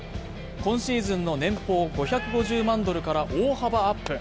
今シーズンの年俸５５０万ドルから大幅アップ。